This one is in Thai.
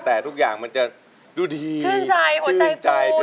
แต่ทุกอย่างมันจะดูดีชื่นใจหัวใจฟู